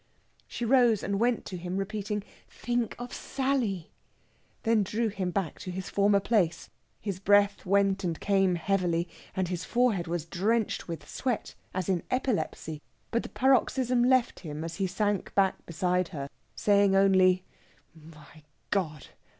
She rose and went to him, repeating, "Think of Sally!" then drew him back to his former place. His breath went and came heavily, and his forehead was drenched with sweat, as in epilepsy; but the paroxysm left him as he sank back beside her, saying only, "My God!